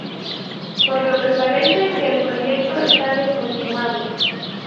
Por lo que parece que el proyecto está descontinuado.